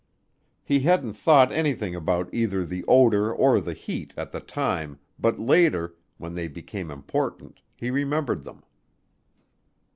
He hadn't thought anything about either the odor or the heat at the time but later, when they became important, he remembered them.